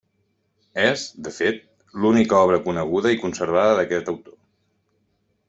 És, de fet, l'única obra coneguda i conservada d'aquest autor.